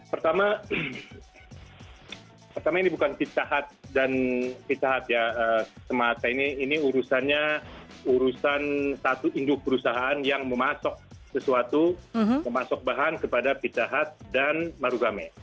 pertama ini bukan pidzahat dan pidzahat ya semata ini ini urusannya urusan satu induk perusahaan yang memasok sesuatu memasok bahan kepada pidzahat dan marugame